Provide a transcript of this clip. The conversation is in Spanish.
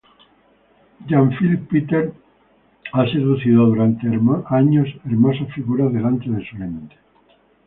Jean Philippe Piter ha seducido durante años hermosas figuras delante de su lente.